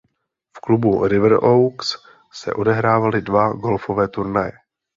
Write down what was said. V klubu River Oaks se odehrály dva golfové turnaje.